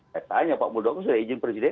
saya tanya pak muldoko sudah izin presiden